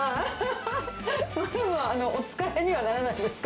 お疲れにはならないですか？